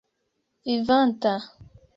vivanta